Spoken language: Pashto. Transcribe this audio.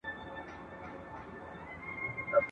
زه به درځم چي انار پاخه وي !.